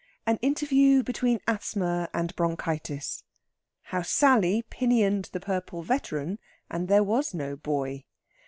AN INTERVIEW BETWEEN ASTHMA AND BRONCHITIS. HOW SALLY PINIONED THE PURPLE VETERAN, AND THERE WAS NO BOY.